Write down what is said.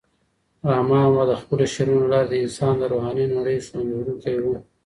رحمان بابا د خپلو شعرونو له لارې د انسان د روحاني نړۍ ښوونکی و.